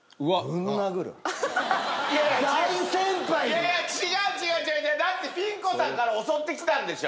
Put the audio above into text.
いやいや違う違うだってピン子さんから襲ってきたんでしょ？